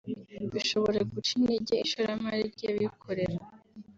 bishobora guca intege ishoramari ry’abikorera